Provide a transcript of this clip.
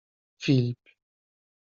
Filip.